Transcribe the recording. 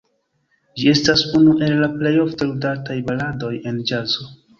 Ĝi estas unu el la plej ofte ludataj baladoj en ĵazo.